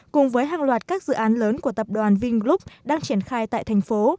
cùng với hàng loạt các dự án lớn của tập đoàn vingroup đang triển khai tại thành phố